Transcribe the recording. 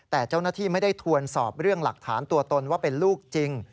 แต่เจ้าหน้าที่ไม่ได้ทวนสอบเรื่องหลักฐานตัวตนว่าเป็นลูกจริง